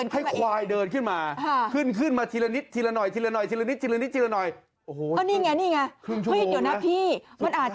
ให้ควายเดินขึ้นไปอีก